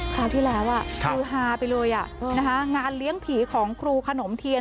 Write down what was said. คราวที่แล้วคือฮาไปเลยงานเลี้ยงผีของครูขนมเทียน